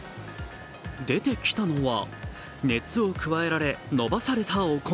出てきたのは熱を加えられ伸ばされたお米。